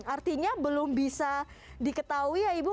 artinya belum bisa diketahui ya ibu